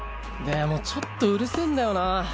でもちょっとうるせぇんだよな。